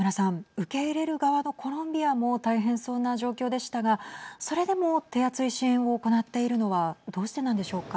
受け入れる側のコロンビアも大変そうな状況でしたがそれでも手厚い支援を行っているのはどうしてなんでしょうか。